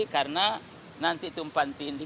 karena nanti tumpang tindih